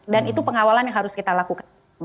dan itu pengawalan yang harus kita lakukan